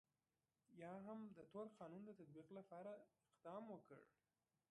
یا هم د تور قانون د تطبیق لپاره اقدام وکړ.